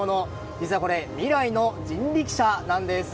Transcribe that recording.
実はこれ、未来の人力車なんです。